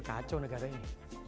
kacau negara ini